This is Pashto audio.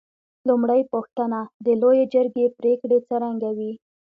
لومړۍ پوښتنه: د لویې جرګې پرېکړې څرنګه وې؟